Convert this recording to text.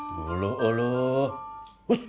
gak suka gimana maksudnya mi